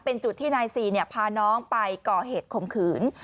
เป็นจุดที่นายซีพาน้องไปก่อเหตุข่มขืน